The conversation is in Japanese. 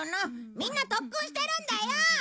みんな特訓してるんだよ！